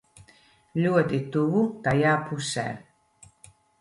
Ļoti tuvu tajā pusē.